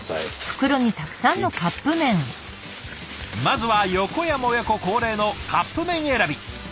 まずは横山親子恒例のカップ麺選び。